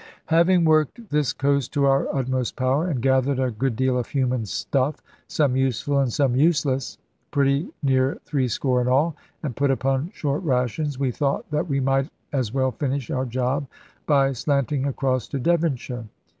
Having worked this coast to our utmost power, and gathered a good deal of human stuff (some useful and some useless), pretty near threescore in all, and put upon short rations, we thought that we might as well finish our job by slanting across to Devonshire.